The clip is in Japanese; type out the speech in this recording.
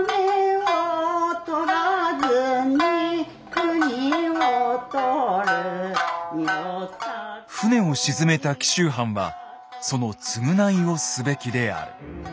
「船を沈めた紀州藩はその償いをすべきである」。